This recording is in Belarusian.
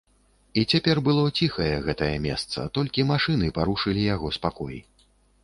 І цяпер было ціхае гэтае месца, толькі машыны парушылі яго спакой.